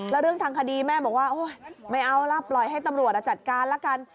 แล้วเรื่องทางคดีแม่บอกว่าไม่เอาล่ะปล่อยให้ตำรวจจัดการละกัน